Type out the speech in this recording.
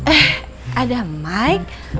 eh ada mike